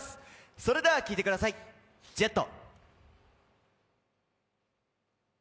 それでは聴いてください、「ＪＥＴ」。